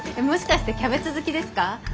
もしかしてキャベツ好きですか？